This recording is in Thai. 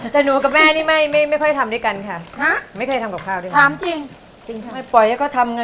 แต่หนูกับแม่นี่ไม่ค่อยทำด้วยกันค่ะ